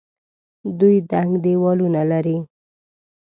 دوی دنګ دیوالونه لري.